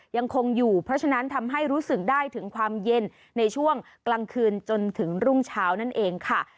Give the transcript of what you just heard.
ยังคงอยู่เพราะฉะนั้นทำให้รู้สึกได้ถึงความเย็นในช่วงกลางคืนจนถึงรุ่งเช้านั่นเองค่ะ